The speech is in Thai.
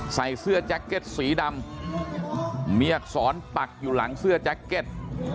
ใส่เสื้อแจ็คเก็ตสีดำเมียอักษรปักอยู่หลังเสื้อแจ็คเก็ต